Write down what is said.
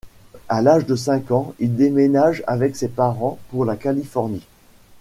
À l'âge de cinq ans, il déménage avec ses parents pour la Californie.